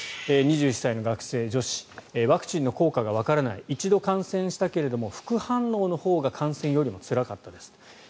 ２１歳の学生、女子ワクチンの効果がわからない一度感染したけども副反応のほうが感染よりもつらかったです。